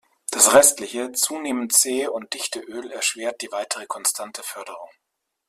Das restliche, zunehmend zähe und dichte Öl erschwert die weitere konstante Förderung.